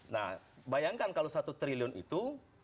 nah bayangkan kalau satu triliun itu